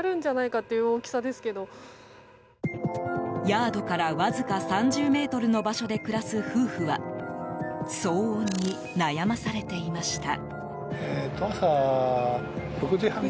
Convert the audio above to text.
ヤードから、わずか３０ｍの場所で暮らす夫婦は騒音に悩まされていました。